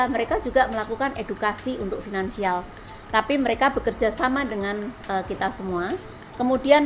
mereka juga melakukan edukasi untuk finansial tapi mereka bekerja sama dengan kita semua kemudian